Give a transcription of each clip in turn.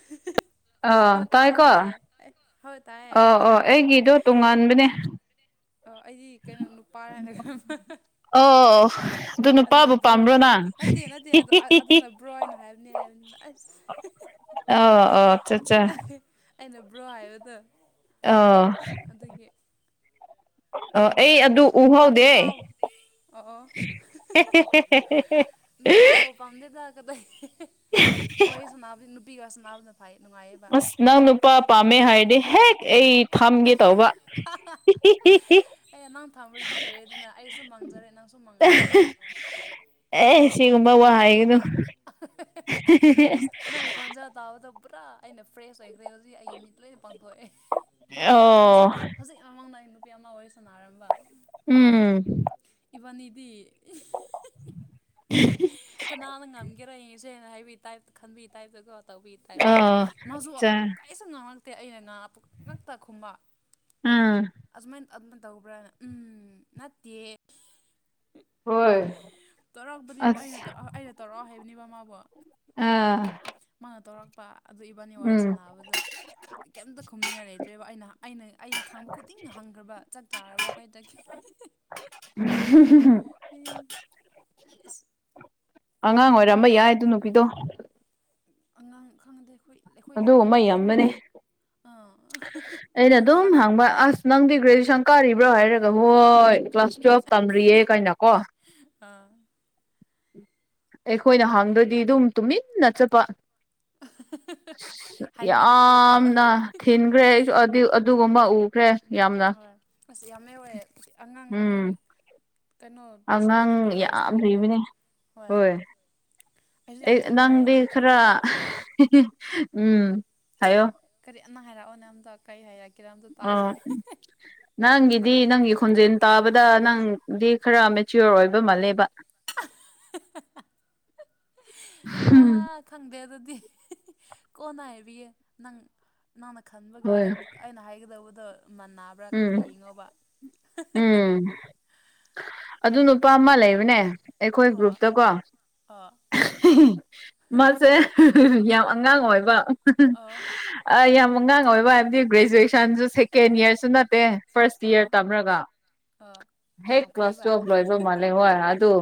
[inaudible] ꯑꯥ ꯑ ꯇꯥꯏꯌꯦ ꯇꯥꯏꯀꯣ ꯑꯥ ꯇꯥꯏꯌꯦ ꯑꯦ ꯍꯣꯏ ꯇꯥꯏꯌꯦ ꯑꯣ ꯑꯩꯒꯤꯗꯣ ꯇꯣꯉꯥꯟꯕꯅꯦ [inaudible] ꯑꯩꯗꯤ ꯀꯩꯅꯣ ꯅꯨꯄꯥꯔꯅ ꯈ ꯑꯣ ꯑꯗꯨ ꯅꯨꯄꯥꯕꯨ ꯑꯗꯨꯕ꯭ꯔꯣ ꯄꯥꯝꯕ꯭ꯔꯣ ꯅꯪ ꯅꯠꯇꯦ ꯅꯠꯇꯦ ꯑꯗꯨꯕ꯭ꯔꯣ ꯍꯥꯏꯅ ꯍꯥꯏꯕꯅꯦ ꯑꯁ ꯑꯣ ꯑꯣ ꯑꯠꯆꯥ ꯑꯠꯆꯥ ꯑꯩꯅ ꯕ꯭ꯔꯣ ꯍꯥꯏꯕꯗꯣ ꯑ ꯑꯗꯨꯒꯤ ꯑ ꯑꯩ ꯑꯗꯨ ꯅꯨꯄꯥ ꯎꯍꯧꯗꯦ ꯅꯨꯄꯥ ꯑꯣ ꯑꯣ ꯅ ꯄꯥꯎꯕ ꯄꯥꯝꯗꯦꯗ ꯀꯗꯥꯏ ꯑꯣꯍ ꯁꯅꯥ ꯅꯨꯄꯤ ꯋꯥ ꯁꯅꯥꯅ ꯐꯅꯨꯡꯉ ꯑꯁ ꯅꯪ ꯅꯨꯄꯥ ꯄꯥꯝꯃꯦ ꯍꯥꯏꯔꯗꯤ ꯍꯦꯛ ꯑꯩ ꯊꯝꯒꯦ ꯇꯧꯕ ꯑꯦ ꯅꯥꯡ ꯊꯥꯡꯕꯗꯤ ꯂꯩꯔꯦ ꯑꯗꯨꯅ ꯑꯩꯁꯨ ꯃꯥꯡꯖꯔꯦ ꯅꯪꯁꯨ ꯃꯥꯡꯉꯅꯤ ꯑꯦ ꯁꯤꯒꯨꯝꯕ ꯋꯥꯍꯩꯒꯅꯣ ꯏꯁ ꯅꯪꯒꯤ ꯈꯣꯟꯖꯦꯜ ꯇꯥꯕꯗ ꯄꯨꯔꯥ ꯑꯩꯅ ꯐ꯭ꯔꯦꯁ ꯑꯣꯏꯈ꯭ꯔꯦ ꯍꯧꯖꯤꯛ ꯑꯩꯒꯤ ꯃꯤ ꯂꯣꯏꯅ ꯄꯥꯡꯊꯣꯛꯑꯦ ꯉꯁꯥꯏ ꯑꯣ ꯍꯧꯖꯤꯛ ꯃꯃꯥꯡꯗꯏ ꯅꯨꯄꯤ ꯑꯅ ꯋꯥꯔꯤ ꯁꯅꯔꯝꯕ ꯎꯝ ꯏꯕꯅꯤ ꯏꯗꯤ ꯀꯅꯥꯅ ꯉꯝꯒꯦꯔꯁꯦꯅ ꯍꯥꯏꯕꯤ ꯇꯥꯏꯞꯇ ꯈꯟꯕꯤ ꯇꯥꯏꯞꯇꯀꯣ ꯇꯧꯕꯤ ꯇꯥꯏꯞꯇ ꯑꯣ ꯃꯥꯁꯨ ꯆꯥ ꯀꯔꯤꯁꯨ ꯉꯥꯡꯉꯛꯇꯦ ꯑꯩꯅ ꯉꯥ ꯄꯛꯉꯛꯇ ꯈꯨꯝꯕ ꯑꯥ ꯑꯗꯨꯃꯥꯏꯅ ꯑꯗꯨꯅ ꯇꯧꯕ꯭ꯔꯥꯅ ꯎꯝ ꯅꯠꯇꯦ ꯍꯣꯏ ꯇꯧꯔꯛꯄꯗꯤ ꯑꯩꯅ ꯑꯁ ꯑꯩꯅ ꯇꯧꯔꯛꯑꯣ ꯍꯥꯏꯕꯅꯦꯕ ꯃꯥꯥꯕꯨꯣ ꯑꯥ ꯃꯥꯅ ꯇꯧꯔꯛꯄ ꯑꯗꯨ ꯏꯕꯥꯅꯤ ꯋꯥꯔꯤ ꯎꯝ ꯁꯥꯟꯅꯥꯕꯗꯣ ꯀꯩꯝꯇ ꯈꯨꯝꯅꯤꯡꯉꯥꯏ ꯂꯩꯇ꯭ꯔꯦꯕ ꯑꯩꯅ ꯑꯩꯅ ꯑꯩꯅ ꯈꯥꯡꯕ ꯅꯪꯅ ꯍꯪꯈ꯭ꯔꯕ ꯆꯥꯛꯇꯥꯥꯔꯕ ꯋꯥꯈꯩꯗ ꯎ ꯑꯉꯥꯡ ꯅꯣꯛꯅꯤꯡꯕꯗꯣ ꯑꯣꯏꯔꯝꯕ ꯌꯥꯏ ꯑꯗꯨ ꯅꯨꯄꯤꯗꯣ ꯑꯉꯥꯡ ꯈꯪꯗꯦ ꯑꯩꯈꯣꯏ ꯑꯩꯈꯣꯏ ꯂ ꯑꯗꯨꯒꯨꯝꯕ ꯌꯥꯝꯕꯅꯦ ꯈꯪꯗꯦ ꯑꯥ ꯑꯩꯅ ꯑꯗꯨꯝ ꯂꯪ ꯍꯪꯕ ꯑꯁ ꯅꯪꯗꯤ ꯑꯥ ꯒ꯭ꯔꯦꯖꯨꯌꯦꯁꯟ ꯀꯥꯔꯤꯕ꯭ꯔꯣ ꯍꯥꯏꯔꯒ ꯍꯣꯏ ꯀ꯭ꯂꯥꯁ ꯇꯨꯌꯦꯦꯜꯐ ꯇꯝꯔꯤꯌꯦ ꯀꯥꯏꯩꯅ ꯀꯣ ꯑꯥ ꯑꯩꯈꯣꯏꯅ ꯍꯥꯡꯗ꯭ꯔꯗꯤ ꯑꯗꯨꯝ ꯇꯨꯃꯤꯟꯅ ꯆꯠꯄ ꯍꯥꯏꯕꯤꯗꯀꯣ ꯌꯥꯝꯅ ꯊꯤꯟꯈ꯭ꯔꯦ ꯑꯩꯁꯨ ꯑꯗꯨꯒꯨꯝꯕ ꯎꯈ꯭ꯔꯦ ꯌꯥꯝꯅ ꯍꯣꯏ ꯑꯁ ꯌꯥꯝ ꯌꯥꯎꯋꯦ ꯑꯉꯥꯡ ꯎꯝ ꯑꯉꯥꯡ ꯀꯩꯅꯣ ꯁꯤꯗ ꯑꯉꯥꯡ ꯅꯨꯄꯤ ꯌꯥꯎ ꯌꯥꯝ ꯁꯤꯅꯤ ꯂꯩꯕꯅꯦ ꯍꯣꯏ ꯑꯩꯁꯨ ꯌꯥꯝ ꯑꯩ ꯊꯦꯡꯅꯩ ꯅꯪꯗꯤ ꯈꯔ ꯍꯥꯏꯗꯤ ꯑꯩꯈꯣꯏ ꯑꯩ ꯎꯝ ꯍꯥꯏꯌꯣ ꯀꯔꯤ ꯑꯝꯅ ꯍꯥꯏꯔꯛꯑꯣ ꯅ ꯑꯝꯇ ꯀꯔꯤ ꯍꯥꯏꯔꯛꯒꯦ ꯑ ꯅꯪꯒꯤꯗꯤ ꯅꯪꯒꯤ ꯈꯣꯟꯖꯦꯜ ꯇꯥꯕꯗ ꯅꯪꯗꯤ ꯈꯔ ꯃꯦꯆꯤꯌꯣꯔ ꯑꯣꯏꯕ ꯃꯥꯜꯂꯦꯕ ꯑ ꯍꯥ ꯈꯪꯗꯦ ꯑꯗꯨꯗꯤ ꯀꯣꯟꯅ ꯍꯥꯏꯕꯤꯌꯦ ꯅꯪ ꯅꯪꯅ ꯈꯟꯕꯒ ꯍꯣꯏ ꯑꯩꯅ ꯑꯩꯅ ꯍꯥꯏꯒꯗꯧꯕꯗꯣ ꯃꯕ꯭ꯔꯥ ꯎꯝ ꯌꯦꯡꯉꯣꯕ ꯎꯝ ꯑꯗꯨ ꯅꯨꯄꯥ ꯑꯃ ꯂꯩꯕꯅꯦ ꯑꯩꯈꯣꯏ ꯑꯣ ꯒ꯭ꯔꯨꯞꯇꯀꯣ ꯑꯣ ꯃꯥꯁꯦ ꯌꯥꯝ ꯑꯉꯥꯡ ꯑꯣꯏꯕ ꯑꯣ ꯌꯥꯝ ꯑꯉꯥꯡ ꯑꯣꯏꯕ ꯍꯥꯏꯕꯗꯤ ꯒ꯭ꯔꯦꯖꯨꯋꯦꯁꯟ ꯁꯟꯁꯨ ꯁꯦꯀꯦꯟ ꯏꯌꯥꯔꯁꯨ ꯅꯠꯇꯦ ꯐꯥꯔꯁ ꯑꯣ ꯏꯌꯥꯔ ꯇꯝꯔꯒ ꯑ ꯍꯦꯛ ꯀ꯭ꯂꯥꯁ ꯌꯥꯝꯈꯩꯕ ꯇꯨꯋꯦꯜꯞ ꯂꯣꯏꯕ ꯃꯥꯂꯦ ꯍꯣꯏ ꯑꯗꯨ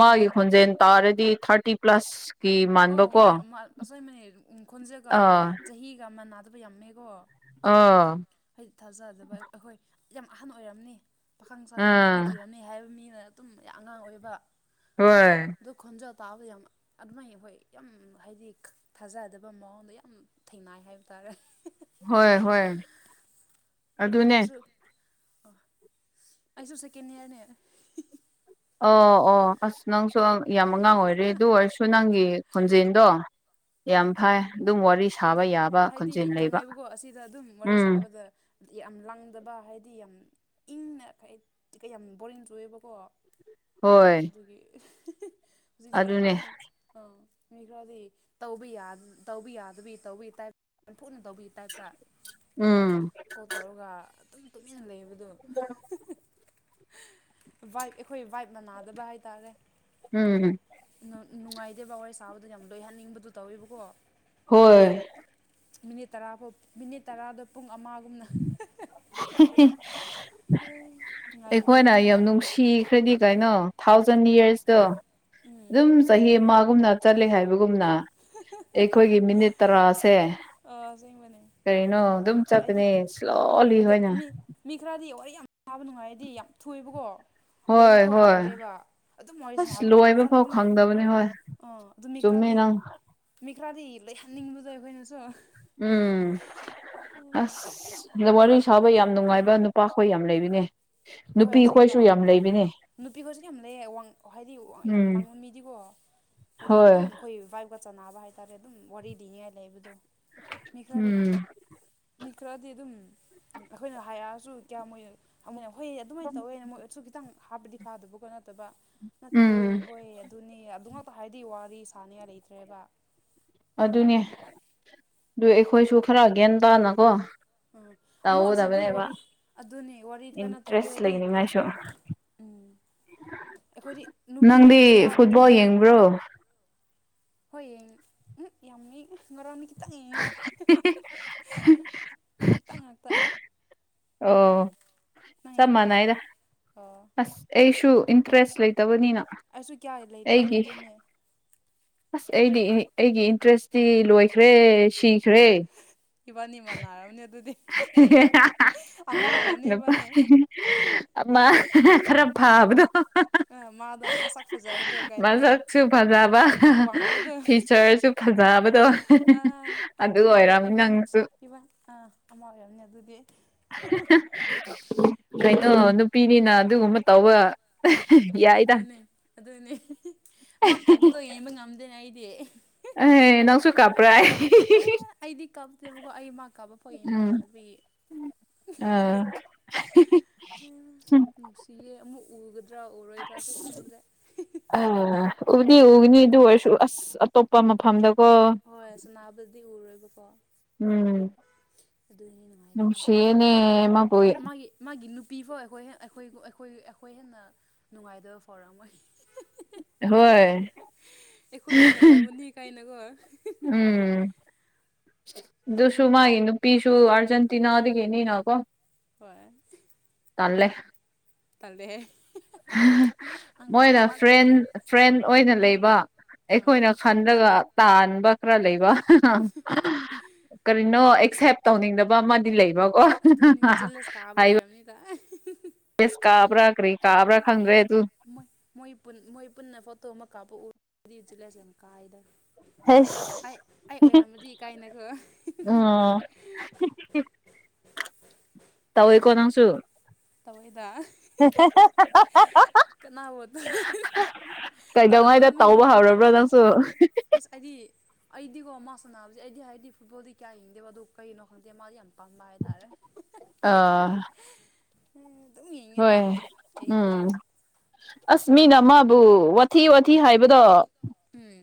ꯃꯥꯒꯤ ꯈꯣꯟꯖꯦꯜ ꯇꯥꯔꯗꯤ ꯊꯥꯔꯇꯤ ꯄ꯭ꯂꯁ ꯑꯧ ꯍꯣꯏ ꯑꯁꯣꯏꯕꯅꯤ ꯈꯣꯟꯖꯒ ꯑꯥ ꯆꯍꯤꯒ ꯑꯃ ꯅꯥꯗꯕ ꯌꯥꯝꯃꯦꯀꯣ ꯑꯥ ꯍꯥꯏꯗꯤ ꯊꯥꯖꯗꯕ ꯑꯩꯈꯣꯏ ꯌꯥꯝ ꯑꯍꯟ ꯑꯣꯏꯔꯝꯅꯤ ꯄꯥꯈꯥꯡꯁꯥꯗꯒꯤ ꯑꯥ ꯅꯨꯄꯤ ꯊꯤꯔꯝꯃꯦ ꯍꯥꯏꯕ ꯃꯤꯅ ꯑꯗꯨꯝ ꯌꯥꯝ ꯑꯉꯥꯡ ꯑꯣꯏꯕ ꯍꯣꯏ ꯗꯨ ꯈꯖ ꯇꯥꯕ ꯌꯥꯝ ꯑꯗꯨꯃꯥꯏ ꯍꯣꯏ ꯌꯥꯝ ꯍꯥꯏꯗꯤ ꯊꯥꯖꯗꯕ ꯃꯑꯣꯡꯗ ꯌꯥꯝ ꯊꯦꯡꯅꯏ ꯍꯥꯏꯕ ꯇꯥꯔꯦ ꯍꯣꯏ ꯍꯣꯏ ꯑꯗꯨꯅꯦ ꯑꯩꯁꯨ ꯑꯩꯁꯨ ꯁꯦꯀꯦꯟ ꯏꯌꯥꯔꯅꯦ ꯑꯣ ꯑꯣ ꯑꯁ ꯅꯪꯁꯨ ꯌꯥꯝ ꯑꯉꯥꯡ ꯑꯣꯏꯔꯦ ꯑꯗꯨ ꯑꯣꯏꯔꯁꯨ ꯅꯪꯒꯤ ꯈꯣꯟꯖꯦꯜꯗꯣ ꯌꯥꯝ ꯑꯥ ꯐꯩ ꯑꯗꯨꯝ ꯋꯥꯔꯤ ꯑꯗ ꯁꯥꯕ ꯌꯥꯕ ꯍꯥꯏꯗꯤ ꯈꯣꯟꯖꯦꯜ ꯂꯩꯕ ꯈꯪꯉꯦꯕꯀꯣ ꯑꯁꯤꯗ ꯑꯗꯨꯝ ꯋꯥꯔꯤꯦ ꯎꯝ ꯁꯥꯕꯗ ꯌꯥꯝ ꯂꯪꯗꯕ ꯍꯥꯏꯗꯤ ꯌꯥꯝ ꯏꯪꯅ ꯌꯥꯝ ꯕꯣꯔꯤꯡ ꯇꯑꯦꯕꯀꯣ ꯍꯣꯏ ꯑꯗꯨꯒꯤ ꯍꯧꯖꯤꯛꯇꯤ ꯑꯗꯨꯅꯦ ꯈꯤꯇꯪ ꯃꯤ ꯈꯔꯗꯤ ꯇꯧꯕꯤ ꯌꯥꯗꯕꯤ ꯇꯧꯕꯒꯤ ꯇꯥꯏꯞ ꯌꯥꯝꯊꯨꯅ ꯇꯧꯕꯒꯤ ꯇꯥꯏꯞꯇ ꯎꯝ ꯀꯣꯜ ꯇꯧꯔꯒ ꯑꯗꯨꯝ ꯇꯨꯃꯤꯟꯅ ꯂꯩꯕꯗꯣ ꯑ ꯋꯥꯏꯞ ꯑꯩꯈꯣꯏ ꯋꯥꯏꯞ ꯃꯅꯥꯗꯕ ꯍꯥꯏꯇꯥꯔꯦ ꯎꯝꯝ ꯅꯨꯡꯉꯥꯏꯇꯦ ꯕ ꯋꯥꯔꯤ ꯁꯥꯕꯗꯨ ꯌꯥꯝ ꯂꯣꯏꯍꯟꯅꯤꯡꯕꯗꯨ ꯇꯧꯋꯦꯕꯀꯣ ꯍꯣꯏ ꯃꯤꯅꯤꯠ ꯇꯔꯥꯐꯥꯎ ꯃꯤꯅꯤꯠ ꯇꯔꯥꯗꯣ ꯄꯨꯡ ꯑꯃꯒꯨꯝꯅ ꯉꯥꯏ ꯑꯩꯈꯣꯏꯅ ꯂꯣꯏꯅꯤꯡꯉꯥꯏ ꯌꯥꯝ ꯉꯥꯏ ꯅꯨꯡꯁꯤ ꯐꯤ ꯈ꯭ꯔꯗꯤ ꯀꯥꯏꯩꯅꯣ ꯊꯥꯎꯖꯟ ꯌꯔꯁꯇꯣ ꯎꯝ ꯑꯗꯨꯝ ꯆꯍꯤ ꯑꯃꯒꯨꯝꯅ ꯆꯠꯂꯤ ꯍꯥꯏꯕꯒꯨꯝꯅ ꯑꯩꯈꯣꯏꯒꯤ ꯃꯤꯅꯤꯠ ꯇꯔꯥꯁꯦ ꯑꯁ ꯅ ꯀꯔꯤꯅꯣ ꯑꯗꯨꯝ ꯆꯠꯄꯅꯦ ꯏꯁꯂꯣꯂꯤ ꯑꯗꯣ ꯍꯣꯏꯅ ꯃꯤ ꯃꯤ ꯈꯔꯗꯤ ꯋꯥꯔꯤ ꯌꯥꯝ ꯁꯥꯥꯕ ꯅꯨꯡꯉꯥꯏꯔꯗꯤ ꯌꯥꯝ ꯊꯨꯑꯕꯀꯣ ꯂꯣꯏꯕ ꯍꯣꯏ ꯐꯥꯎ ꯍꯣꯏ ꯈꯪꯗꯦꯕ ꯑꯗꯨꯝ ꯑꯣꯏꯔꯤꯁꯅ ꯑꯁ ꯍꯥꯏꯕ ꯀꯥꯟꯗ ꯂꯣꯏꯕ ꯃꯊꯪꯗ ꯐꯥꯎ ꯑꯗꯨꯝ ꯃꯨꯠꯄꯗꯣ ꯈꯪꯗꯕꯅꯦ ꯍꯣꯏ ꯑꯣ ꯑꯗꯨ ꯆꯨꯝꯃꯦ ꯃꯤꯈ꯭ꯔꯥꯗꯤ ꯅꯪ ꯃꯤꯈ꯭ꯔꯥꯗꯤ ꯂꯩꯍꯟꯅꯤꯡꯕꯗꯣ ꯑꯩꯈꯣꯏꯅꯁꯨ ꯎꯝ ꯑꯁ ꯑꯗ ꯋꯥꯔꯤ ꯁꯥꯕ ꯌꯥꯝ ꯅꯨꯡꯉꯥꯏꯕ ꯅꯨꯄꯥꯈꯣꯏ ꯌꯥꯝꯅ ꯂꯩꯕꯅꯦ ꯅꯨꯄꯤꯈꯣꯏꯁꯨ ꯌꯥꯝ ꯂꯩ ꯅꯨꯄꯤꯒꯁꯨ ꯀꯌꯥꯝ ꯂꯩꯌꯦ ꯋꯥꯡ ꯍꯥꯏꯗꯤ ꯌꯥꯝ ꯎꯝ ꯂꯥꯡꯕ ꯃꯤꯗꯤꯀꯣ ꯍꯥꯏꯗꯤ ꯍꯣꯏ ꯑꯗꯨꯝ ꯑꯩꯈꯣꯏꯚꯏ ꯆꯅꯕ ꯍꯥꯏꯇꯥꯔꯦ ꯑꯗꯨꯝ ꯋꯥꯔꯤ ꯂꯤꯉꯥꯏ ꯂꯩꯕꯗꯣ ꯃꯤ ꯈꯔꯗꯤ ꯎꯝ ꯃꯤ ꯈꯔꯗꯤ ꯑꯗꯨꯝ ꯑꯩꯈꯣꯏꯅ ꯍꯥꯏꯔꯛꯑꯁꯨ ꯀꯌꯥꯝꯃꯣꯏꯅ ꯍꯣꯏ ꯑꯗꯨꯃꯥꯏꯅ ꯇꯧꯋꯦꯅꯦ ꯃꯣꯏ ꯑꯗꯨꯠꯁꯨ ꯈꯤꯇꯪ ꯍꯥꯞꯄꯗꯤ ꯐꯥꯗꯕꯀꯣ ꯅꯠꯇꯕ ꯅꯠꯇꯦ ꯎꯝ ꯍꯣꯏ ꯑꯗꯨꯅꯤ ꯑꯗꯨ ꯉꯥꯛꯛꯇ ꯍꯥꯏꯗꯤ ꯋꯥꯔꯤ ꯁꯥꯅꯤꯡꯉꯥꯏ ꯂꯩꯇ꯭ꯔꯦꯕ ꯑꯗꯨꯅꯦ ꯑꯗꯨ ꯑꯩꯈꯣꯏꯁꯨ ꯈꯔ ꯒ꯭ꯌꯥꯟ ꯇꯥꯅꯀꯣ ꯑꯥ ꯑꯃꯨꯛ ꯑꯁꯤꯗꯤ ꯇꯧꯒꯗꯕꯅꯦꯕ ꯋꯥꯔꯤ ꯑꯗꯨꯅꯤ ꯋꯥꯔꯤ ꯀꯩꯅꯣ ꯇꯧꯒꯦ ꯏꯟꯇꯔꯦꯁ ꯍꯥꯏꯗꯤ ꯂꯩꯅꯤꯡꯉꯥꯏꯁꯨ ꯎꯝ ꯑꯩꯈꯣꯏꯗꯤ ꯅꯨꯄꯤꯅꯤꯅ ꯅꯨꯄꯥꯕꯨ ꯑꯗꯨꯝ ꯕ꯭ꯔꯣ ꯍ ꯎ ꯌꯥꯝꯃꯤ ꯉꯔꯥꯎꯅꯤ ꯈꯤꯇꯪ ꯌꯦꯡꯉꯦ ꯇꯪ ꯉꯥꯛꯇ ꯑꯣ ꯅꯪ ꯆꯞ ꯌꯦꯡꯕ꯭ꯔꯥ ꯃꯥꯟꯅꯩꯗ ꯑꯣ ꯑꯁ ꯑꯩꯁꯨ ꯏꯟꯇꯔꯦꯁ ꯂꯩꯇ ꯇꯕꯅꯤꯅ ꯑꯩꯁꯨ ꯀꯌꯥ ꯂꯩꯇꯦ ꯍꯣꯏ ꯑꯩꯒꯤ ꯑꯗꯨꯅꯦ ꯑꯁ ꯑꯩꯗꯤ ꯑꯩꯒꯤ ꯏꯟꯇꯔꯦꯁꯇꯤ ꯂꯣꯏꯈ꯭ꯔꯦ ꯁꯤꯈ꯭ꯔꯦ ꯏꯕꯥꯅꯤꯅꯤ ꯃꯔꯥꯥꯎꯅꯤ ꯑꯗꯨꯗꯤ ꯑꯃꯥ ꯍꯌꯦꯅꯤ ꯏꯕꯥꯅꯦ ꯃꯥ ꯈꯔ ꯎꯝ ꯐꯥꯕꯗꯣ ꯑ ꯃꯥꯗꯣ ꯃꯁꯛ ꯐꯖꯕꯗꯣ ꯃꯥꯁ ꯀꯥꯏꯅꯀꯣ ꯁꯨ ꯐꯖꯕ ꯋꯥꯡꯕꯗꯣ ꯐꯤꯆꯔꯁꯨ ꯐꯖꯕꯗꯣ ꯑꯗꯨ ꯑꯣꯏꯔꯝ ꯅꯪꯁꯨ ꯏꯕꯟ ꯑꯥ ꯑꯃ ꯑꯣꯏꯔꯝꯅꯦ ꯑꯗꯨꯗꯤ ꯀꯩꯅꯣ ꯃꯥ ꯎꯝ ꯅꯨꯄꯤꯅꯤꯅ ꯑꯗꯨꯒꯨꯝꯕ ꯇꯧꯕ ꯌꯥꯏꯗ ꯑꯗꯨꯅꯦ ꯑꯗꯨꯅꯦ ꯃꯥ ꯀꯄꯗꯣ ꯌꯦꯡꯕ ꯉꯝꯗꯦꯅꯦ ꯑꯩꯗꯤ ꯑꯍ ꯅꯪꯁꯨ ꯀꯄ꯭ꯔꯑ ꯑꯩꯗꯤ ꯀꯥꯞꯗꯦꯕꯀꯣ ꯑꯩ ꯃꯥ ꯀꯥꯕ ꯐꯥꯎ ꯌꯦꯡꯕ ꯉꯝꯗꯕ ꯑ ꯅꯨꯡꯁꯤꯌꯦ ꯑꯃꯨꯛ ꯎꯒꯗ꯭ꯔꯥ ꯎꯔꯣꯏꯗ꯭ꯔꯥꯁꯨ ꯈꯪꯗ꯭ꯔꯦ ꯑ ꯎꯗꯤ ꯎꯒꯅꯤ ꯑꯗꯨ ꯑꯣꯏꯔꯁꯨ ꯑꯁ ꯑꯇꯣꯞꯄ ꯃꯐꯝꯗꯀꯣ ꯍꯣꯏ ꯁꯣꯅꯥꯕꯨꯗꯤ ꯎꯔꯣꯏꯕꯀꯣ ꯑꯗꯨꯒꯤꯅꯤ ꯅꯨꯡꯉꯥꯏꯇꯕꯗꯣ ꯎꯝꯦꯅꯦꯃꯌ ꯃꯥꯒꯤ ꯃꯥꯒꯤ ꯅꯨꯄꯤ ꯐꯥꯎ ꯑꯩꯈꯣꯏ ꯑꯩꯈꯣꯏ ꯑꯩꯈꯣꯏ ꯑꯩꯈꯣꯏ ꯍꯦꯟꯅ ꯅꯨꯡꯉꯥꯏꯇꯕ ꯐꯥꯎꯔꯝꯃꯣꯏ ꯍꯣꯏ ꯑꯩꯈꯣꯏꯅ ꯍꯦꯜꯂꯕꯨꯗꯤ ꯀꯥꯏꯅꯀꯣ ꯎꯝ ꯗꯨꯁꯨ ꯃꯥ ꯍꯤꯨ ꯄꯤꯁꯨ ꯑꯔꯖꯦꯟꯇꯤꯅꯥ ꯑꯗꯤ ꯍꯤꯅꯅ ꯀꯣ ꯍꯣꯏ ꯇꯜꯂꯦ ꯇꯜꯗ ꯍꯦ ꯃꯣꯏꯅ ꯐ꯭ꯔꯦꯟ ꯐ꯭ꯔꯦꯟ ꯑꯣꯏꯅ ꯂꯩꯕ ꯑꯥ ꯑꯩꯈꯣꯏꯅ ꯈꯟꯂꯒ ꯇꯥꯟꯕ ꯈꯔ ꯂꯩꯕ ꯑ ꯀꯔꯤꯅꯣ ꯑꯦꯛꯁꯦꯞ ꯇꯧꯅꯤꯡꯗꯕ ꯑꯃꯗꯤ ꯂꯩꯕ ꯑꯣ ꯍꯥꯏ ꯇ ꯁ ꯀꯥꯕꯥꯈꯔꯤ ꯀꯥꯕ ꯔꯥ ꯈꯪꯒ꯭ꯔꯦ ꯇꯨ ꯃꯣꯏ ꯃꯣꯏ ꯄꯨꯟꯅ ꯐꯣꯇꯣ ꯑꯃ ꯀꯥꯞꯄ ꯎꯔꯗꯤ ꯆꯜꯂꯁꯦ ꯀꯥꯏꯗꯅ ꯍꯁ ꯑꯩ ꯑꯩ ꯑꯣꯏꯔꯝꯃꯗꯤ ꯀꯥꯏꯅꯈꯣ ꯑꯣ [unintelligible] ꯇꯧꯋꯦꯀꯣ ꯅꯪꯁꯨ ꯇꯑꯣꯏꯗ ꯀꯅꯥꯕꯨꯣ ꯀꯩꯗꯧꯉꯩꯗ ꯇꯧꯕ ꯍꯧꯔꯕ꯭ꯔꯣ ꯅꯪꯁꯨ ꯑꯦꯁ ꯑꯩꯗꯤ ꯑꯩꯗꯤꯒꯣ ꯃꯥ ꯁꯅꯥꯁꯦ ꯑꯩꯗꯤ ꯍꯥꯏꯗꯤ ꯐꯕꯕꯨꯗꯤ ꯀꯌꯥ ꯍꯤꯡꯗꯦꯕ ꯑꯗꯨꯣ ꯀꯩꯅꯣ ꯈꯪꯗꯦ ꯃꯥꯗꯤ ꯌꯥꯝꯄꯥꯝꯕ ꯍꯥꯏꯇꯥꯔꯦ ꯑꯥ ꯑꯗꯨꯝ ꯌꯦꯡꯉꯦꯗ ꯍꯣꯏ ꯌꯦꯡꯕꯗꯤ ꯎꯝ ꯑꯁ ꯃꯤꯅ ꯃꯥꯕꯨ ꯋꯥꯊꯤ ꯋꯥꯊꯤ ꯍꯥꯏꯕꯗꯣ ꯎꯝ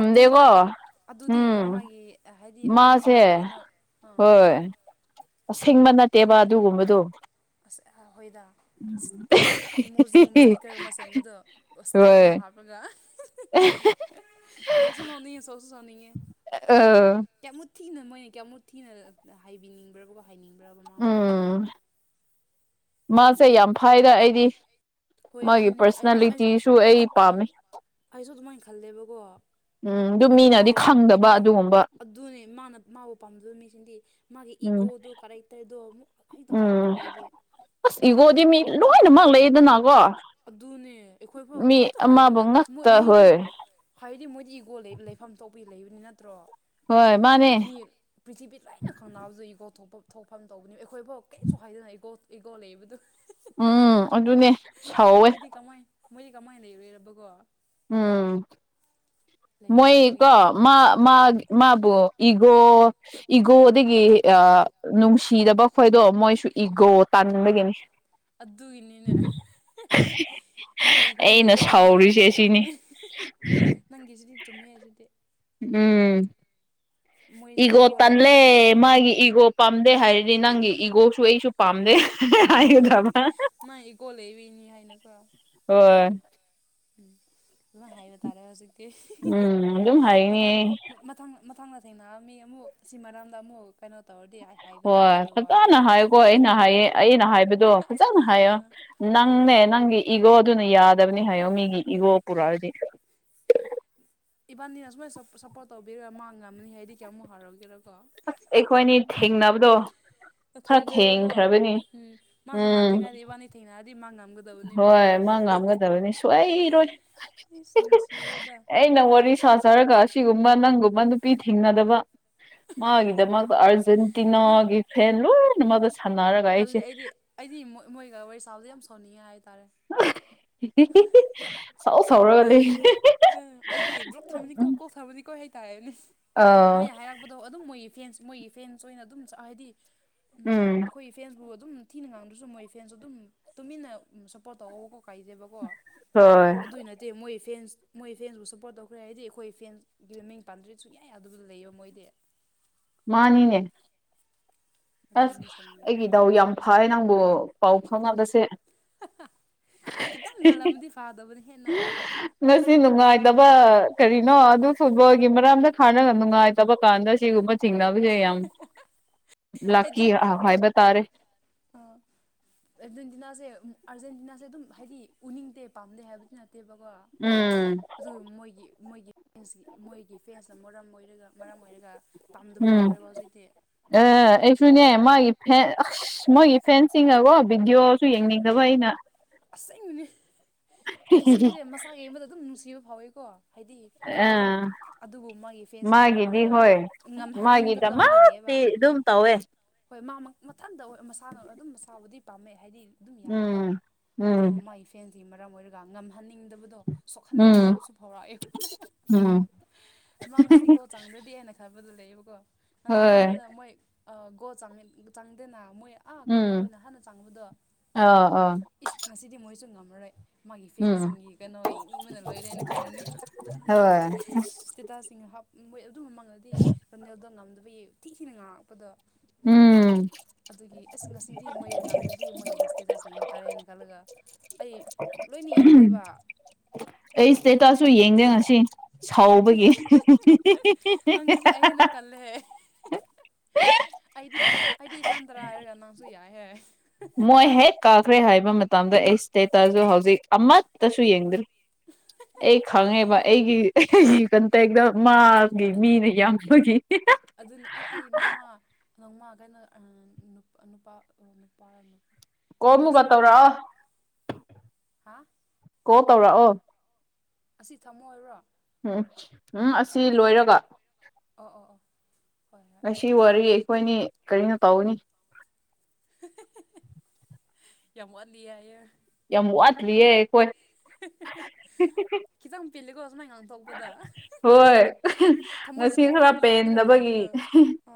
ꯑꯗꯨꯗꯤꯀꯣ ꯑꯗꯨꯗꯤ ꯎꯝ ꯃꯥꯒꯤ ꯍꯥꯏꯗꯤ ꯃꯥꯁꯦ ꯑꯣꯄꯣꯅꯦꯟꯒꯤ ꯀꯩꯅꯣ ꯑꯥ ꯍꯣꯏ ꯑꯁꯦꯡꯕ ꯅꯠꯇꯦꯕ ꯑꯗꯨꯒꯨꯝꯕꯗꯣ ꯑꯁ ꯑꯩꯈꯣꯏꯗ ꯏꯃꯣꯖꯤꯒꯨꯝꯕ ꯏꯁꯇꯤꯛꯀꯔꯒꯨꯝꯕ ꯁꯦꯝꯕꯗꯣ ꯁꯀꯔꯒꯨꯝꯕ ꯍꯥꯞ ꯑꯗꯨꯒꯒ ꯑꯣ ꯅ ꯁꯅꯅꯤ ꯁꯣꯁ ꯁꯁꯅꯤ ꯑ ꯀꯌꯥꯃꯨꯠ ꯊꯤꯅ ꯃꯣꯏꯅ ꯀꯌꯥꯃꯨꯠ ꯊꯤꯅ ꯍꯥꯏꯕꯤꯅꯤꯡꯕ꯭ꯔꯕꯀꯣ ꯍꯥꯏꯅꯤꯡꯕ꯭ꯔꯕ ꯃꯥꯃꯕ ꯎꯝ ꯃꯥꯁꯦ ꯌꯥꯝ ꯐꯥꯏꯅ ꯑꯩꯗꯤ ꯍꯣꯏ ꯃꯥꯒꯤ ꯑꯗꯨꯅꯦ ꯑꯩ ꯑꯩ ꯄꯔꯁꯅꯦꯜꯂꯤꯇꯤꯁꯨ ꯑꯩ ꯄꯥꯝꯃꯤ ꯑꯩꯁꯨ ꯑꯗꯨꯃꯥꯏꯅ ꯈꯜꯂꯦꯕꯀꯣ ꯎꯝ ꯑꯗꯨ ꯃꯥ ꯃꯤꯅꯗꯤ ꯈꯪꯗꯕ ꯃꯥ ꯑꯗꯨꯒꯨꯝꯕ ꯑꯗꯨꯅꯦ ꯃꯥꯅ ꯃꯥꯕꯨ ꯄꯥꯝꯖꯕ ꯃꯤꯁꯤꯡꯗꯤ ꯃꯥꯒꯤ ꯎꯝ ꯏꯒꯣꯗꯣ ꯀꯔꯦꯛꯇꯔꯗꯣ ꯑꯃꯨꯛ ꯍꯦꯛꯇ ꯎꯝ ꯍꯥꯏꯔꯛꯄꯗꯣ ꯑꯩꯗꯤ ꯑꯁ ꯏꯒꯣꯗꯤ ꯃꯤ ꯂꯣꯏꯅꯃꯛ ꯂꯩꯌꯦꯗꯅꯀꯣ ꯑꯗꯨꯅꯦ ꯑꯩꯈꯣꯏꯐꯥꯎ ꯀꯩꯝꯇ ꯍꯩꯗꯅ ꯃꯣꯏ ꯉꯛꯇ ꯃꯤꯗꯤ ꯍꯣꯏ ꯍꯥꯏꯗꯤ ꯃꯣꯏꯗꯤ ꯏꯒꯣꯜ ꯂꯩꯐꯝ ꯊꯣꯛꯄ ꯂꯩꯕꯅꯤ ꯅꯠꯇ꯭ꯔꯣ ꯍꯣꯏ ꯃꯥꯅꯦ ꯃꯤ ꯄ꯭ꯔꯤꯊꯤꯕꯤ ꯂꯥꯏꯅ ꯈꯪꯅꯕꯁꯨ ꯏꯒꯣ ꯊꯣꯛꯄ ꯊꯣꯛꯐꯝ ꯇꯧꯕꯅꯤ ꯑꯩꯈꯣꯏꯐꯥꯎ ꯀꯩꯁꯨ ꯍꯥꯏꯗꯅ ꯏꯣ ꯏꯒꯣ ꯂꯩꯕꯗꯨ ꯎꯝ ꯑꯗꯨꯅꯦ ꯁꯥꯎꯋꯦ ꯃꯣꯏꯗꯤ ꯀꯃꯥꯏ ꯃꯣꯏꯗꯤ ꯀꯃꯥꯏꯅ ꯂꯩꯔꯨꯔꯕꯒꯣ ꯎꯝ ꯃꯣꯏ ꯊꯣꯛꯄꯒꯤ ꯀꯣ ꯂꯩꯕꯅꯤ ꯃꯥ ꯃꯥ ꯑꯥ ꯃꯥꯕꯨ ꯏꯒꯣ ꯏꯒꯣꯗꯒꯤ ꯑ ꯅꯨꯡꯁꯤꯗꯕ ꯈꯣꯏꯗꯣ ꯃꯣꯏꯁꯨ ꯎꯝ ꯏꯒꯣ ꯇꯥꯟꯅꯤꯡꯕꯒꯤꯅꯤ ꯑꯗꯨꯒꯤꯅꯤꯅꯦ ꯃꯣꯏ ꯏꯒꯣ ꯑꯩꯅ ꯅꯠꯇ꯭ꯔꯣ ꯃꯤ ꯁꯥꯎꯔꯤꯁꯦ ꯁꯤꯅꯤ ꯅꯪꯒꯤꯁꯤꯗꯤ ꯆꯨꯝꯃꯦ ꯑꯁꯤꯗꯤ ꯎꯝ ꯃꯣꯏꯁꯨ ꯏꯒꯣ ꯂꯩꯗꯨꯗꯤ ꯇꯟꯂꯦ ꯑꯗꯨꯃꯥꯏꯅ ꯈꯜꯂꯦ ꯃꯥꯒꯤ ꯏꯒꯣ ꯄꯥꯝꯗꯦ ꯍꯥꯏꯔꯗꯤ ꯅꯪꯒꯤ ꯏꯒꯣꯁꯨ ꯑꯩꯁꯨ ꯄꯥꯝꯗꯦ ꯍꯥꯏꯒꯗꯕ ꯃꯥ ꯏꯒꯣ ꯂꯩꯕꯩꯅꯤ ꯍꯥꯏꯅꯀꯣ ꯍꯣꯢ ꯑꯗꯨꯝꯃꯥꯢ ꯍꯥꯏꯕ ꯇꯥꯔꯦ ꯍꯧꯖꯤꯛ ꯎꯝ ꯑꯗꯨꯝ ꯍꯥꯏꯅꯤꯌꯦ ꯃꯊꯪ ꯃꯊꯪꯗ ꯊꯦꯡꯅꯔꯗꯤ ꯑꯃꯨꯛ ꯁꯤ ꯃꯔꯝꯗ ꯑꯃꯨꯛ ꯀꯩꯅꯣ ꯇꯧꯔꯗꯤ ꯍꯥꯏꯕ ꯇꯥꯔꯦ ꯍꯣꯏ ꯑꯗꯨ ꯋꯥꯗꯤ ꯐꯖꯅ ꯍꯥꯏꯌꯣꯀꯣ ꯑꯩꯅ ꯍꯥꯏꯌꯦ ꯑꯩꯅ ꯍꯥꯏꯕꯗꯣ ꯐꯖꯅ ꯍꯥꯏꯌꯣ ꯑꯥ ꯑꯥ ꯅꯪꯅꯦ ꯅꯪꯒꯤ ꯏꯒꯣꯗꯨꯅ ꯌꯥꯗꯕꯅꯤ ꯍꯥꯏꯌꯣ ꯃꯤꯒꯤ ꯏꯒꯣ ꯄꯨꯔꯛꯑꯗꯤ ꯏꯕꯥꯅꯤꯅ ꯁꯨꯃꯥꯏꯅ ꯁꯞꯄꯣꯔꯠ ꯇꯧꯕꯤꯔ ꯃꯥꯉꯝꯅꯤ ꯍꯥꯏꯗꯤ ꯀꯌꯥꯃꯨꯛ ꯍꯔꯥꯎꯒꯦꯔꯀꯣ ꯑꯩꯈꯣꯏꯅꯤ ꯊꯦꯡꯅꯕꯗꯣ ꯑ ꯈꯔ ꯊꯦꯡꯒ꯭ꯔꯦꯕꯀꯣ ꯊꯦꯡꯈ꯭ꯔꯕꯅꯤ ꯎꯝ ꯃꯥ ꯎꯝ ꯁꯝꯅꯗ꯭ꯔꯤꯉꯩꯗꯥ ꯏꯕꯥꯅꯤ ꯊꯦꯡꯅꯛꯑꯗꯤ ꯃꯥꯥꯅ ꯍꯣꯏ ꯃꯥ ꯉꯥꯝꯒꯗꯕꯅꯤ ꯁꯣꯏ ꯏꯔꯣꯏ ꯏꯁ ꯅꯨꯡꯁꯤꯈ꯭ꯔꯦꯗ [unintelligible] ꯑꯩꯅ ꯋꯥꯔꯤ ꯁꯥꯖꯔꯒ ꯑꯁꯤꯒꯨꯝꯕ ꯅꯪꯒꯨꯝꯕ ꯅꯨꯄꯤ ꯊꯦꯡꯅꯗꯕ ꯃꯥꯒꯤꯗꯃꯛꯇ ꯑꯥꯔꯖꯦꯟꯇꯤꯅꯥꯒꯤ ꯐꯦꯟ ꯂꯣꯢꯅꯃꯛ ꯑꯁ ꯇꯜꯂꯤ ꯑꯩꯗꯤ ꯑꯩꯗꯤ ꯃꯣꯏ ꯃꯣꯏꯒ ꯋꯥꯔꯤ ꯁꯥꯕꯗ ꯌꯥꯝ ꯁꯥꯎꯅꯤꯡꯉꯦ ꯍꯥꯏꯇꯥꯔꯦ [unintelligible] ꯁꯥꯎ ꯁꯥꯎꯔꯒ ꯂꯩ ꯑꯩꯗꯤ ꯕ꯭ꯂꯣꯛ ꯎꯝ ꯊꯝꯃꯅꯤꯀꯣ [unintelligible] ꯀꯣꯛ ꯁꯥꯕꯨꯗꯤ ꯀꯣꯛꯑꯦ ꯍꯥꯏ ꯇꯑꯅꯦ ꯃꯣꯏꯅ ꯍꯥꯏꯔꯛꯄꯗꯣ ꯑꯗꯨꯝ ꯃꯣꯏꯒꯤ ꯐꯦꯟꯁ ꯃꯣꯏꯒꯤ ꯐꯦꯟꯁ ꯑꯣꯏꯅ ꯑꯗꯨꯝ ꯍꯥꯏꯗꯤ ꯎꯝ ꯑꯩꯈꯣꯏ ꯐꯦꯟꯁꯄꯨ ꯑꯗꯨꯝ ꯊꯤꯅ ꯉꯥꯡꯗ꯭ꯔꯁꯨ ꯃꯣꯏ ꯐꯦꯟꯁꯨ ꯑꯗꯨꯝ ꯇꯨꯃꯤꯟꯅ ꯁꯞꯄꯣꯔꯠ ꯇꯧꯑꯣꯕꯀꯣ ꯀꯥꯏꯗꯦꯕꯀꯣ ꯍꯣꯏ ꯑꯗꯨꯏ ꯅꯠꯇꯦ ꯃꯣꯏ ꯐꯦꯟꯁ ꯃꯣꯏ ꯐꯦꯟꯁꯄꯨ ꯁꯞꯄꯣꯔꯠ ꯇꯧꯈ꯭ꯔꯦ ꯍꯥꯏꯗꯤ ꯑꯩꯈꯣꯏ ꯐꯦꯟꯁ ꯒꯤ ꯃꯃꯤꯡ ꯄꯥꯟꯗ꯭ꯔꯗꯤ ꯁꯨꯛꯌꯥ ꯌꯥꯗꯕꯗꯨ ꯂꯩꯌꯦ ꯃꯣꯏꯗꯤ ꯃꯥꯅꯤꯅꯦ ꯑꯁ ꯑꯗꯨꯏꯅꯤ ꯁꯥꯎꯅꯤꯡꯉꯤ ꯑꯩꯒꯤ ꯗꯥꯎ ꯌꯥꯝ ꯐꯩ ꯅꯪꯕꯨ ꯄꯥꯎ ꯐꯥꯎꯅꯕꯁꯦ ꯑꯥ ꯈꯤꯇꯪ ꯉꯂꯃꯗꯤ ꯐꯥꯗꯕꯅꯤ ꯍꯦꯟꯅ ꯉꯁꯤ ꯅꯨꯡꯉꯥꯏꯇꯕ ꯀꯔꯤꯅꯣ ꯑꯗꯨ ꯐꯨꯠꯕꯣꯜꯒꯤ ꯃꯔꯝꯗ ꯈꯜꯂꯒ ꯅꯨꯡꯉꯥꯏꯇꯕ ꯀꯥꯟꯗ ꯁꯤꯒꯨꯝꯕ ꯆꯤꯡꯅꯕꯅꯕꯁꯦ ꯌꯥꯝ ꯂꯥꯛꯀꯤ ꯍꯥꯏꯗꯤ ꯍꯥꯏꯕ ꯇꯥꯔꯦ ꯑꯔꯖꯦꯟꯇꯤꯅꯥꯁꯦ ꯑꯥꯔꯖꯦꯟꯇꯤꯅꯥꯁꯦ ꯑꯗꯨꯝ ꯍꯥꯏꯗꯤ ꯎꯅꯤꯡꯗꯦ ꯄꯥꯝꯗꯦ ꯍꯥꯏꯕꯗꯤ ꯅꯠꯇꯦꯕꯀꯣ ꯎꯝ ꯑꯗꯨꯒ ꯃꯣꯏꯒꯤ ꯃꯣꯏꯒꯤ ꯐꯦꯟꯁ ꯃꯣꯏꯒꯤ ꯐ꯭ꯔꯦꯟꯁꯅ ꯃꯔꯝ ꯑꯣꯏꯔꯒ ꯃꯔꯝ ꯑꯣꯏꯔꯒ ꯄꯥꯝꯗꯕ ꯍꯧꯈ꯭ꯔꯦꯕ ꯍꯧꯖꯤꯛꯇꯤ ꯑꯦ ꯑꯩꯁꯨꯅꯦ ꯃꯥꯒꯤ ꯐꯦꯟ ꯑꯁ ꯃꯣꯏꯒꯤ ꯐꯦꯟꯁꯤꯡꯅꯀꯣ ꯚꯤꯗꯤꯑꯣꯁꯨ ꯑꯣ ꯌꯦꯡꯅꯤꯡꯗꯕ ꯋꯥꯏꯅ ꯑꯁꯦꯡꯕꯅꯦ ꯃꯦꯁꯤꯒꯤꯁꯦ ꯃꯁꯥ ꯌꯦꯡꯕꯗ ꯑꯗꯨꯝ ꯅꯨꯡꯁꯤꯕ ꯐꯥꯎꯋꯦꯀꯣ ꯍꯥꯏꯗꯤ ꯑ ꯑꯗꯨꯝ ꯑꯗꯨꯕꯨ ꯃꯥꯒꯤ ꯐꯦꯟꯁꯅ ꯃꯔꯝ ꯃꯥꯒꯤꯗꯤ ꯑꯣꯏꯔꯒ ꯍꯣꯏ ꯉꯝꯍꯟꯅꯤꯡꯗꯕꯗꯣ ꯑꯃ ꯂꯩꯑꯦꯕ ꯃꯥꯒꯤꯗꯃꯛꯇꯤ ꯑꯗꯨꯝ ꯇꯧꯋꯦ ꯍꯣꯏ ꯃꯥ ꯃꯊꯟꯇ ꯃꯁꯥꯅ ꯑꯗꯨꯝ ꯃꯁꯥꯕꯨꯗꯤ ꯄꯥꯝꯃꯦ ꯍꯥꯏꯗꯤ ꯑꯗꯨꯝ ꯌꯥꯏꯀꯣ ꯎꯝ ꯎꯝ ꯑꯗꯨꯕꯨ ꯃꯥꯏ ꯐꯦꯟꯀꯤ ꯃꯔꯝ ꯑꯣꯏꯔꯒ ꯉꯝꯍꯟꯅꯤꯡꯗꯕꯗꯣ ꯁꯣꯛꯍꯟꯅꯤꯡꯕ ꯎꯝ ꯄꯣꯠꯁꯨ ꯐꯥꯎꯔꯛꯑꯦ ꯎꯝ [unintelligible] ꯃꯥ ꯉꯁꯤꯒꯣꯜ ꯆꯟꯗ꯭ꯔꯗꯤ ꯍꯥꯏꯅ ꯊꯕꯗꯨ ꯂꯩꯌꯦꯕꯀꯣ ꯉꯔꯥꯡ ꯍꯣꯏ ꯑꯍꯥꯟꯕꯗ ꯃꯣꯏ ꯒꯣꯜ ꯆꯪꯗꯦꯅ ꯃꯣꯏ ꯑꯥ ꯀꯩꯅꯣ ꯍꯣꯏꯅ ꯍꯥꯟꯅ ꯆꯥꯡꯕꯗꯣ ꯑꯣ ꯑꯣ ꯏꯁ ꯉꯁꯤꯗꯤ ꯃꯣꯏꯁꯨ ꯉꯝꯃꯔꯣꯏ ꯃꯣꯢꯒꯤ ꯎꯝ ꯐꯦꯟꯁꯤꯡꯒꯤ ꯀꯩꯅꯣ ꯌꯦꯅꯤꯡꯕꯅ ꯂꯣꯏꯔꯦꯅ ꯈꯟꯕꯅꯤ ꯍꯣꯏ ꯇꯤꯇꯥꯁꯤꯡꯅ ꯍꯥꯞ ꯃꯣꯏ ꯑꯗꯨ ꯃꯃꯥꯡꯗꯗꯤ ꯄꯦꯗꯦꯜꯗꯣ ꯉꯝꯗꯕꯒꯤ ꯊꯤ ꯊꯤꯅ ꯉꯥꯡꯉꯛꯄꯗꯣ ꯎꯝ ꯑꯗꯨꯒꯤ ꯑꯁ ꯉꯁꯤꯗꯤ ꯃꯣꯏ ꯉꯝꯗ꯭ꯔꯗꯤ ꯃꯣꯏꯒꯤ ꯏꯁꯇꯦꯇꯥꯁ ꯌꯦꯡꯕ ꯇꯥꯔꯦꯅꯦ ꯈꯜꯂꯒ ꯑꯩ ꯂꯣꯏꯅ ꯌꯦꯡꯗꯦꯕ ꯑꯩ ꯏꯁꯇꯦꯇꯥꯁꯁꯨ ꯌꯦꯡꯗꯦ ꯉꯁꯤ ꯁꯥꯎꯕꯒꯤ [unintelligible] ꯂꯦ ꯗꯤ ꯑꯩꯗꯤ ꯏꯊꯥꯟ ꯇꯔꯥ ꯍꯥꯏꯔꯒ ꯅꯪꯁꯨ ꯌꯥꯏ ꯍꯥꯏ ꯃꯣꯏ ꯍꯦꯛ ꯀꯥꯈ꯭ꯔꯦ ꯍꯥꯏꯕ ꯃꯇꯝꯗ ꯑꯩ ꯏꯁꯇꯦꯇꯥꯁꯨ ꯍꯧꯖꯤꯛ ꯑꯃꯠꯇꯁꯨ ꯌꯦꯡꯗ꯭ꯔꯤ ꯑꯩ ꯈꯪꯉꯦꯕ ꯑꯩꯒꯤ ꯀ ꯍꯛꯇ ꯃꯥꯒꯤ ꯑꯗꯨ ꯃꯤꯅ ꯌꯥꯝꯡꯕꯒꯤ ꯑꯗꯨꯅꯤ ꯑꯩ ꯑꯩ ꯅꯣꯡꯃ ꯅꯣꯡꯃ ꯀꯩꯅꯣ ꯅꯨꯄꯥ ꯅꯨꯄꯥ ꯀꯣ ꯊ ꯑꯃꯨꯛꯀ ꯁꯥꯎꯕ ꯀꯗ ꯇꯧꯔꯛꯑꯣ ꯍꯥ ꯀꯣ ꯇꯧꯔꯑꯣ ꯑꯁꯤ ꯊꯝꯃꯣ ꯍꯥꯏꯕꯔꯣ ꯎꯝ ꯎꯝ ꯑꯁꯤ ꯂꯣꯏꯔꯒ ꯑꯣ ꯑꯣ ꯑꯣ ꯍꯣꯏ ꯍꯣꯏ ꯁꯤ ꯋꯥꯔꯤ ꯑꯩꯈꯣꯏꯅꯤ ꯀꯔꯤꯅꯣ ꯇꯧꯅꯤ ꯌꯥꯝ ꯋꯥꯠꯂꯤ ꯑꯌꯦ ꯌꯥꯝ ꯋꯥꯠꯇ꯭ꯂꯤꯔꯤꯌꯦ ꯑꯩꯈꯣꯏ ꯈꯤꯇꯪ ꯄꯦꯂꯦꯀꯣ ꯑꯁꯃꯥꯏ ꯉꯥꯡ ꯊꯣꯛꯄꯗ ꯍꯣꯏ ꯉꯁꯤ ꯈꯔ ꯂꯣꯠꯂꯒ ꯄꯦꯟꯗꯕꯒꯤ ꯊꯝꯕꯗꯣ ꯑ